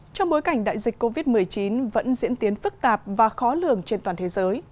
trong bối cảnh đại dịch covid một mươi chín vẫn diễn tiến phức tạp và khó lường trên toàn thế giới